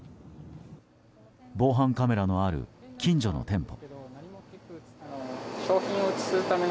防犯カメラのある近所の店舗。